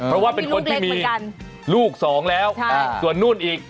เพราะว่าเป็นคนที่มีลูกสองแล้วส่วนนู่นอีก